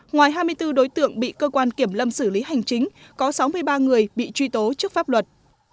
ngoài hai mươi bốn đối tượng bị cơ quan kiểm lâm xử lý hành chính có sáu mươi ba người bị truy tố trước pháp luật